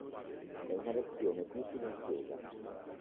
È una versione più silenziosa.